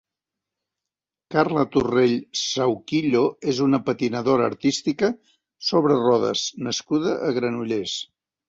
Carla Torrell Sahuquillo és una patinadora artística sobre rodes nascuda a Granollers.